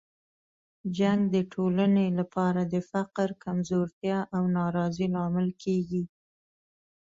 جنګ د ټولنې لپاره د فقر، کمزورتیا او ناراضۍ لامل کیږي.